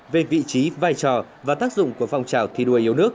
về vị trí vai trò và tác dụng của phong trào thi đua yêu nước